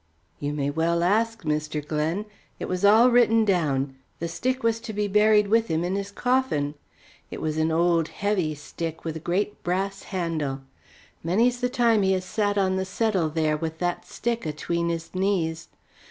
"You may well ask, Mr. Glen. It was all written down. The stick was to be buried with him in his coffin. It was an old heavy stick with a great brass handle. Many's the time he has sat on the settle there with that stick atween his knees.